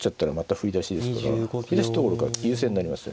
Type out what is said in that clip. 振り出しどころか優勢になりますね